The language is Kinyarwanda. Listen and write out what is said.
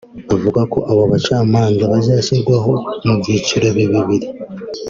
Avuga ko abo bacamanza bazashyirwaho mu byiciro bibiri